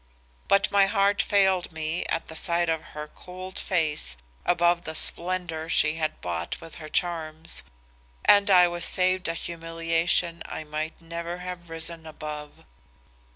But my heart failed me at the sight of her cold face above the splendor she had bought with her charms, and I was saved a humiliation I might never have risen above.